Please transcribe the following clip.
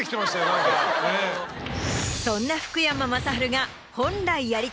そんな福山雅治が。